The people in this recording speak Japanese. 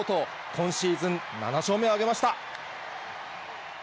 今シーズン７勝目を挙げました。